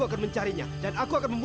aku percaya padamu